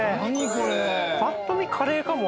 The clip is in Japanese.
ぱっと見カレーかも。